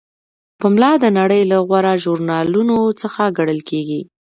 پملا د نړۍ له غوره ژورنالونو څخه ګڼل کیږي.